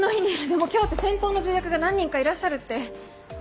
でも今日って先方の重役が何人かいらっしゃるって。